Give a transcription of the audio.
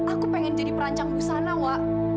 aku pengen jadi perancang usaha nawa